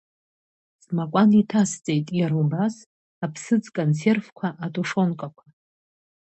Смакәан иҭасҵеит, иара убас, аԥсыӡ консервқәа, атушонкақәа.